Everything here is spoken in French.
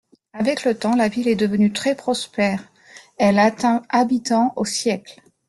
Avec le temps, la ville est devenue très prospère, elle atteint habitants au siècle.